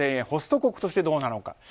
ホスト国としてどうなのか？